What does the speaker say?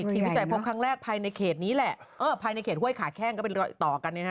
วิจัยพบครั้งแรกภายในเขตนี้แหละภายในเขตห้วยขาแข้งก็เป็นรอยต่อกัน